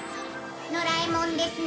「『のらえもん』ですね」